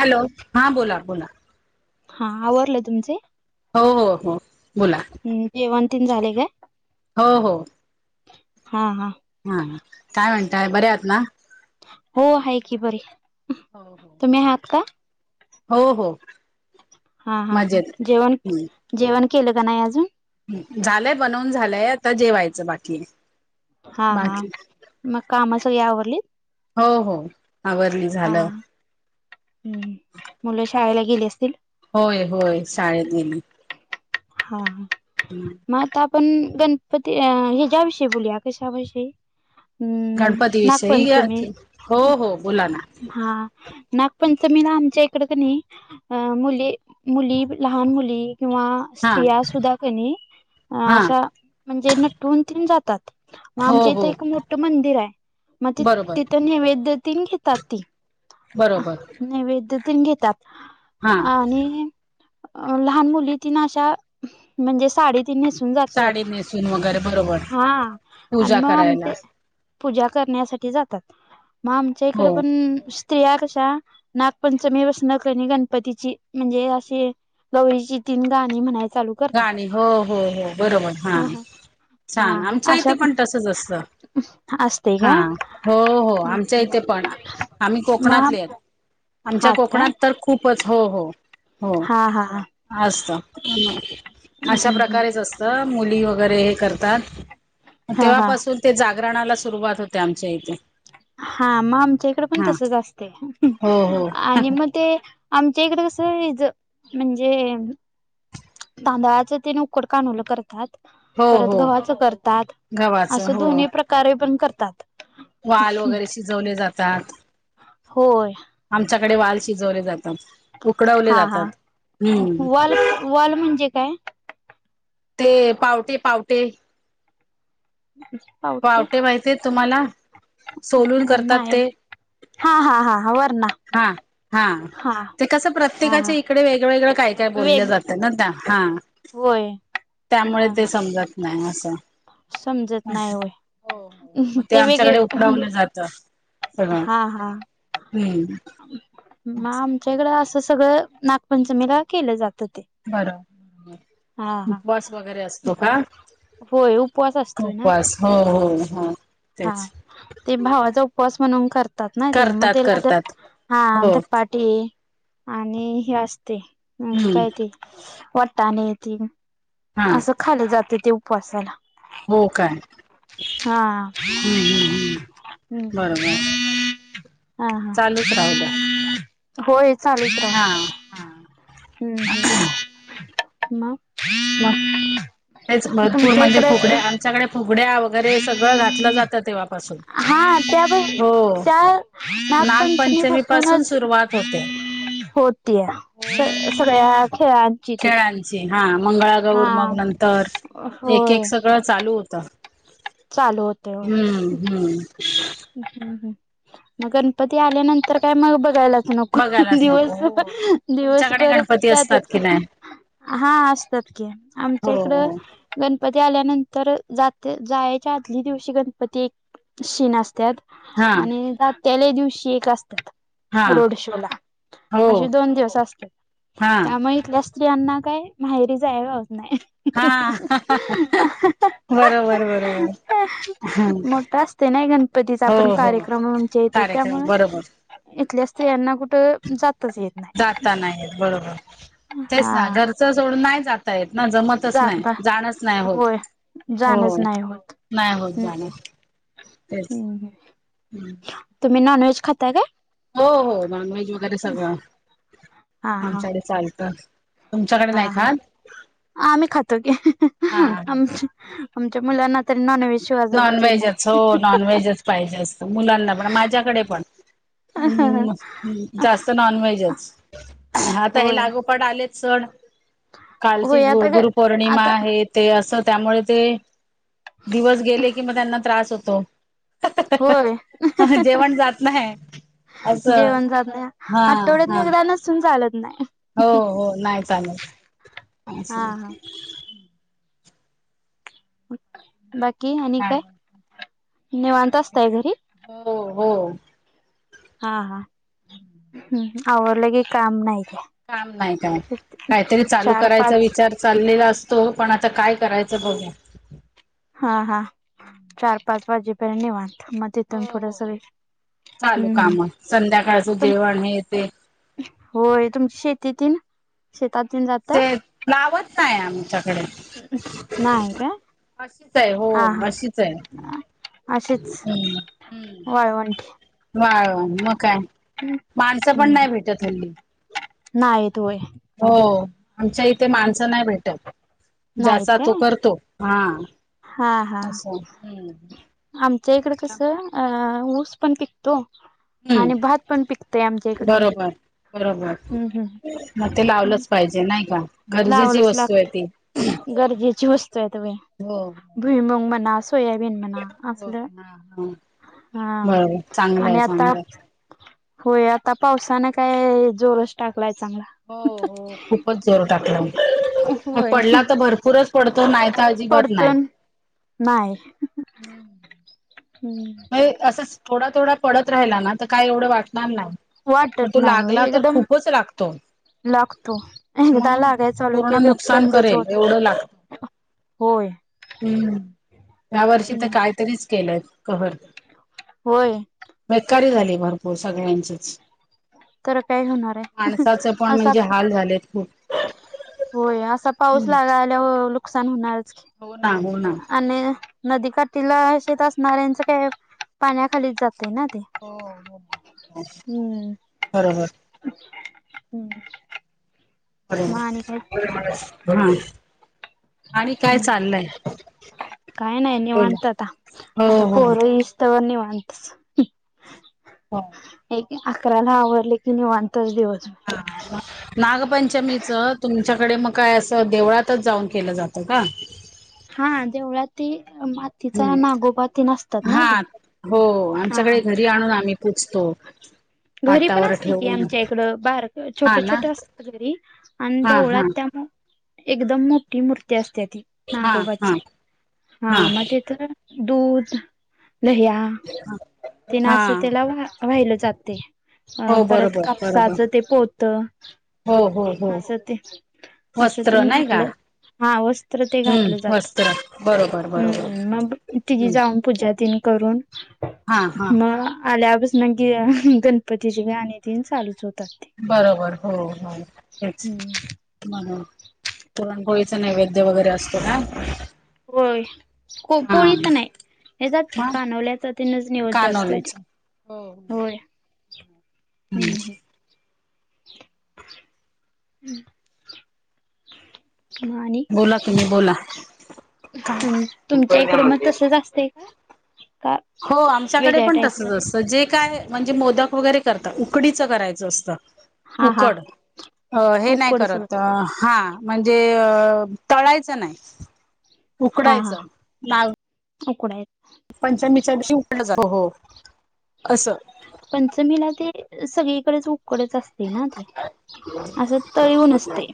Hello, हा बोला-बोला. हा, आवरलेय तुमचे? हो-हो-हो बोला. हम्म, जेवण तीन झाले काय? हो-हो. हा-हा. हा, काय म्हणताय बऱ्या आहात ना? हो, आहे की बरी, हो हो तुम्ही आहात का? हो हो हां हां मजेत जेवणं जेवणं केलं कां नाहीं अजूंन झालंय बनवूंन झालंय आंता जेवायचं बाकी आहे हां हां बाकी मगं कामं सगळीं आवरंलीत हो हो आवरंली झालं हम्मं मुलं शाळेलां गेले असतील होयं होयं शाळेतं गेली हां हां हम्मं मगं आंता आपणं गणपती ह्यांच्या्यांविषयी बोलूंया कशांविषयी हम्मं गणपती विषयी या नागपंचमी की. हो हो बोला ना हां नागपंचमीला आमच्यां इकडं कां नाहीं अं मुली मुली लहांन मुली किंवा हा स्त्रियां सुंधा कणी हा नटूंन तंन जातांत मगं हो आमच्या इथं हो एक मोठं मंदिर आहे मगं ति बरोबर तिथं नैवेदतीन घेतांत ती बरोबर नैवेदतेन घेतांत हा आणि अं लहांन मुली तिनं अशा म्हणजे सांडी ती नेसूंन जातांत साडी नेसून वगैरे बरोबर हां आणि पूजा मगं करायला ते पूजां करण्यांसाठी जातांत मगं आमच्या इकडे हो पणं स्त्रियां कशां नागपंचमी वसंन करं आणि गणपतीची म्हणजे अशी गवरीची तीनं गाणी म्हणांय चालूं गाणी हो हो हो बरोबर हां हा छांन हा आमच्यां अशा इथे पणं तसंच असतं असते हां काय हो हो आमच्यां इथे पणं आम्हीं मग कोकणांतले आहेतं आमच्यां हात काय कोंकणात तरं खूपचं हो हो हो हा हा हा असतं हम्म अशां हम्म प्रकारे मुली वगैरें हे करतांत हा हा तेव्हांपासून ते जांगरणांला सुरुवांत होते आमच्यां इथे हां मगं आमच्यां इकडे पणं हा तसंच असते हो हो आणि मगं ते आमच्यां इकडं कसं म्हणजे तांदळाच ते न उकडूं कांनोवलं करतांत हो परतं हो गव्हाचं करतांत गव्हाचं असं दोन्ही प्रकारे पणं करतांत वांल वगैरें शिजवले जातांत होयं आमच्यांकडे वांल शिजवले जातांत उकडंवले जातांत हम्मं वांल म्हणजे कायं ते पांवटे पांवटे [unintelligible] पांवटे माहिती आहे तुम्हांला नाहीं हां हां हां वरणां हां हां ते कसं हा हा प्रत्येकांच्या इकडे वेगळंवेेगळं कांहीं कां बोलल्यां वेग जांते नां त्यां हां होय त्यांमुळे हा ते हा समजतं नाहीं असं समजत नाही होय हो हो मगं ते आमच्यांकडे उकडवलं जातं हां हां हम्मं मगं आमच्या इकडं असं सगळं नागपंचमीला केलं जातं ते बर हा हा उपवास वगैरे असतो का? होय उपवास असतोय ना उपवास हो हो हो हा. तेच ते भावाचा उपवास म्हणून करतात ना ते मग करतात त्याला करतात हा हो धपाट टे आणि हे असते अ हम्म काय ते वटाणी ती हा असं खालं जाते ते उपवासाला. हो काय. हा हम्म हम्म हम्म बरोबर. हा हा चालूच राहू द्या! होय चालुच हा हा. हम्म हम म. मग तेच भरपूर तुमच्या म्हणजे इकडे फुगड्या आमच्याकडे फुगड्या वगैरे सगळं घातलं जातं तेव्हापासून. हा त्या हो त्या नागपंचमी पासून पासूनच सुरुवात होते. होतीय हो हो. सया-सगळ्या खेळात. खेळांची हा मंगळागौर मग नंतर एक एक होय सगळं चालू होत चालू हम्म हम्म. ह् मग गणपती आल्यानंतर काय मग बघायला. नको बघायलाच नको दिवस हो. तुमच्याकडे दिवसभर गणपती असतात जातच. की नाही? हा असतात की हो आमच्या इकडं हो गणपती आल्यानंतर जात जायच्या आधली दिवशी गणपती एक शीन असतात. हा आणि त्याल्या दिवशी एक असतात. हा रोड शो ला हो अे दोन दिवस असते हा त्यामुळेथ अस स्त्रियांना काही माहेरी जायवज होत नाही. हा‌. बरोबर बरोबर हम. मोठा असते नाही गणपतीचा हो पण हो कार्यक्रम आमच्या इथं कार्यक्रम त्यामुळं बरोबर. इथल्या स्त्रि यांना कुठं जातच येत नाही जाता नाहीयेत बरोबर तेच ना हा घरचं सोडून नाही जात. जमतच नाही जाता जाणच नाही होय. जाणच होत. नाही होत नाही होत जाणार तेच हम्म हम. तुम्ही नॉनव्हेज खात हो हो नॉन व्हेज वगैरे सगळं हा हा आमच्याकडे चालतं. तुमच्याकडे नाही हा हा खात? आम्ही खातो की हा आ हा आमच्या मुलांना तरी नॉन व्हेज शिवाय जमतच नाही. नॉनव्हेजच हो नॉनव्हेजच पाहिजे असतं मुलांना पण माझ्याकडे पण. हम्म, जास्त नॉन व्हेजच आता हे होय लागू पट आलेत चण कालची होय गु आता ग -गुरुपौर्णिमा आता आहेत. ते असं त्यामुळे ते दिवस गेले कि म त्यांना त्रास होतो. होय. जेवण जात नाही असं जेवण जात नाही हा हा आठवड्यात एकदा नसून चालत नाही. हो हो नाही चालत. हा हा. बाकी आणि काय निवांत काय असतय घरी. हो हो. हा हा हम आवरलं की काम नाहीय काय. काम नाही काय काहीतरी चालू चार करायचा पाच विचार चाललेला असो तो पण आता काय करायचं बघया. हा हा चार पाच वाजे प निवांथ म. तिथून हो पुढ हो सगळे चालू हूं काम संध्याकाळचं हूं! जेवण हे ते होय तुमची शेतीतीनं शेतातुन जातांय. ते लावत नाहीय आमच्याकडे. नाही काय? अशीच आहे हो हा हा अशीच आहे. अशीच वाळवंटी. वाळ म काय माणसं पण नाही भेटत हल्ली. नाही येतो होय. हो आमच्या इथे माणसं नाही भेटत, नाहीत ज्याचा तो काय करतो. हा हा हा असं. आमच्या इकड कसं अ ऊस पण पिकतो. हूं आणि भात पण पिकतोय आमच्या इकडं. बरोबर बरोबर हम्म म ते लावलंच पाहि जे नाही का. गरजेची लावलच वस्तू आहे लागत ती. गरजेची वस्तू आहे त वे. हो भुईमुंग म्हणा सोयाबीन म्हणा. हो असले हा हा. हा बरोबर चांगलं आहे आणि आता. चांगलं आहे. होय आता पावसाने काय जोरस टाकलाय चांगला. हो हो खूपच जोर टाकला म होय. पडला तर भरपूरच पडतो नाही त अजिबात नाही. नाही! [inaudible] हूं! हे असंच थोडा थोडा पडत राहिला ना त काय एवढं वाटणार नाही. पण वाटत तो नाही होय लागला तर एकदम खूपच लागतो लागतो एकदा मग लागाय चालू पूर्ण कि त्यो नुकसान बंदच करेल होत एवढं लागत. होय! हम्म या वर्षी तं हम्म. काहीतरीच केलंय कहंर. होय! बेक्कारी झाली भरपूर सगळ्यांचीच. तर काय होणार आहे माणसाचे पण असा म्हणजे हाल झालेत खूप. होय असा पाऊस हम्म लागाया आल्याव नुकसान होणारच. हो ना, हो ना. आणि नदीकाठीला शेत असणाऱ्यांचं काय पाण्याखालीच जातेय ना ते. हो हो बरोबर. हूं! [unintelligible] आणि काय हू चाललंय काही नाही बोला निवांत आता हो आता हो पोर यील. त निवांतच. हा! एक अकराला आवरले की निवांतच दिवस मं! हा! नागपंचमीचं तुमच्याकडे मग काय असं देवळातच जाऊन केलं जातं का? हा देवळाती मात हम्म हा हो हा. आमच्याकडे घरी आणून आम्ही पुजतो घरी पण पाटावर असते की ठेवून आमच्या इकडं बार हा छोट्या ना छोट्या असतात घरी आणि हा हा देवळात त्या मग एकदम मोठी मूर्ती असते ती हा नागोबाची हा हा मग त्याच तर दूध लह्या ते ना हा असं त्याला बघा वाहिलं जाते अह हो परत बरोबर बरोबर कापसाचं ते पोत हो हो. हो असं ते असं वस्त्र तीन नाही का घातल हा वस्त्र ते घातलं हम्म जात, वस्त्र बरोबर हम्म बरोबर मग तिघी हम्म जाऊन पूजा दिन करून हा हा मग आल्यावर [unintelligible] गणपतीची गाणी तीन चालूच होतात ती. बरोबर हो हो तेच हम्म म्हणून. पुरण पोळीचा नैवद्य वगैरे असतो ना होय को पोळी पण आहे येत्यात की कानवल्याचा तनच नैवेद्य असतोय त्यो कानोल्याच हो. होय हम्म. हम्म आणि बोला तुम्ही बोला. हम्म तुमच्या इकडं मग तसच असतंय का हो आमच्याकडे वेगळ्या पण तसच टाईपमध्ये असतं जे काय म्हणजे मोदक वगैरे करतात उकडीचं करायचं असतं हा हा उकड हे नाही उकडच करत, हा. म्हणजे तळायचं नाही, उकडायच ता उकडाय पंचमीच्या दिवशी उकडलं जात, हो हो. असं. पंचमीला ते सगळीकडेच उकडच असते ना ते. असं तळून नसतय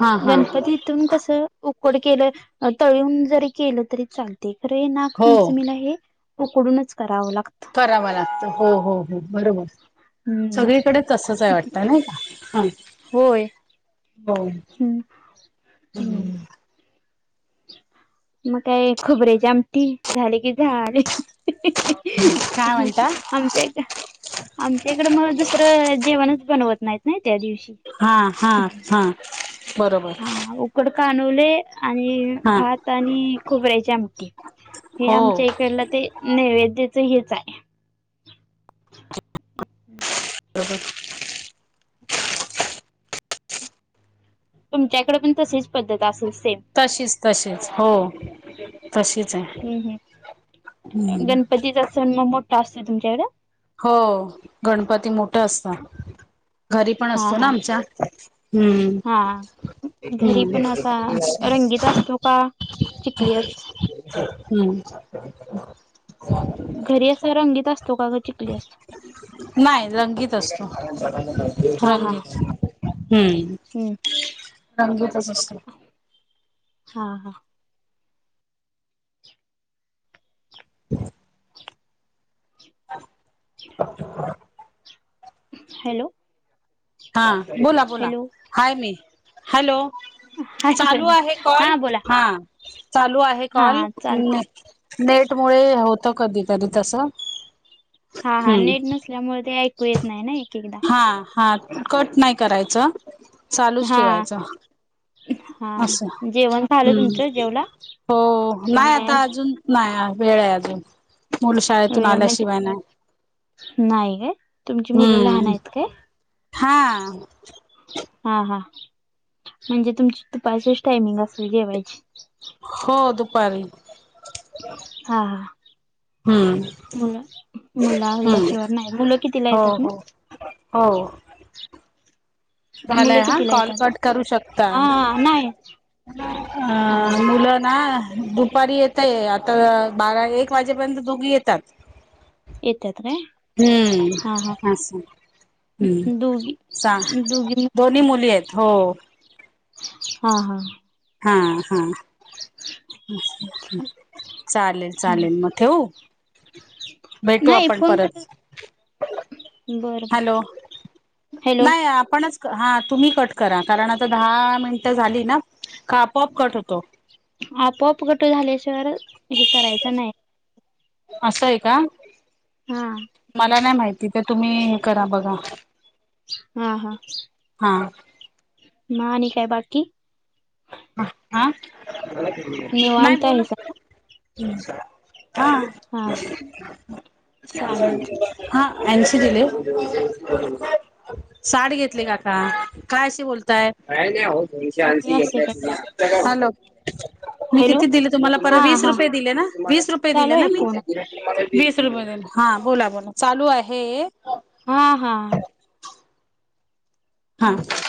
हा हा गणपतीत तून कस उकड केलं अह तळून जरी केलं तरी चालत ते खर हे हो नागपंचमीला हे उकडूनच करावं लागत. कराव लागत हो हो हो. बरोबर हम्म सगळीकडे तसंच आहे वाटत नाही का. हा. होय हो हम्म हम्म. मग काय खोबऱ्याची आमटी झाली कि झाले. काय हम्म. म्हणता आमच्या इक आमच्या इकडं मग दुसरं जेवणच बनवत नाहीत ना त्या दिवशी हा हा हा बरोबर. थोड कानवले आणि हा भात आणि खोबऱ्याची आमटी हे हो आमच्या इकडल ते नैवद्यच हेच आहे. अच्छ [unintelligible] अह तुमच्याकडे पण तशीच पद्धत असेल सेम तशीच तशीच हो तशीच आहे हम्म. हीच असेन म मो काय असत्य तुमच्याकडे हो गणपती मोठा असतं. घरी पण हा असतो ना हा आमच्या. हा घरी पण असा हम्म रंगीत असतो का चिकली असतो हम्म. हम्म. घरी अस रंगीत असतो का ग चिकली असतो? नाही रंगीत असतो हा हा रंगीत हम्म. हम्म. रंगीतच असतो. हा हा. [inaudible] हॅलो. हा बोला बोला. हॅलो हाय मी हॅलो. हाय चालू प्रणय आहे कॉल, बोला हा चालू आहे हा कॉल. हा चालते नेट मुळे होतं कधीकधी तसं. हा हा नेट नसल्यामुळे ते ऐकू येत नाही ना एक एकदा. हा हा कट नाही करायचं चालूचं हा ठेवायचं. हा असं जेवण झालं हम्म, तुमचं जेवला हो का नाही आता आज अजून नाही वेळ आहे अजून, मुलं शाळेतून वेळ म्हणजे आल्याशिवाय नाही. नाही काय? तुमची मुलं लहान हम्म आहेत काय? हा हा हा, म्हणजे तुमची दुपारचीच टायमिंग असते जेवायची? हो दुपारी. हा हा. हम्म मुलं मुलं हम्म आल्याशिवाय नाही. मुलं कितीला हो येतात मग? हो हो. झालंय मुलं हा कितीला कॉल येतात कट करू शकता. हा नाही अ हा मुलं ना? दुपारी येतंय. आता बारा एक वाजेपर्यंत दोघी येतात. येतात काय हा हा हम्म असं. हम्म दोघी सा दोघी दोन्ही मुली आहेत हो. हा हा. हा हा, चालेल चालेल मग ठेऊ? भेटू नाही आपण फोन कट परत. बरं बर हॅलो हॅलो नाही आपणच हा तुम्ही कट करा कारण आता दहा मिनटं झाली ना, का आपोआप कट होतो? आपोआप कट झाल्याशिवाय हे करायचं नाही. असंय का? हा. मला नाही माहिती ते तुम्ही हे करा बघा. हा हा. हा. मग आणि काय बाकी? आ? नाही निवांत बोला. आहेसा हा. [unintelligible] चालेल साठ घेतली काका काय अशी बोलताय? [inaudible] आणि असे काय मी हॅलो किती दिले तुम्हाला हा परत वीस हा रुपये दिले ना, वीस रुपये चालू दिले आहे ना मी फोन वीस रुपये दिले, हा बोला बोला चालू आहे, हा हा हम्म हा